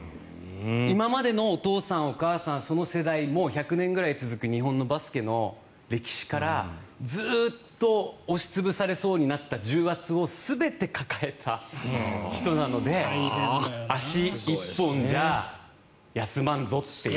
今までのお父さん、お母さん、その世代も１００年ぐらい続く日本のバスケの歴史からずっと押し潰されそうになった重圧を全て抱えた人なので足１本じゃ休まんぞという。